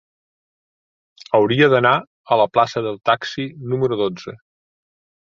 Hauria d'anar a la plaça del Taxi número dotze.